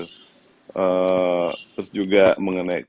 terus juga mengenai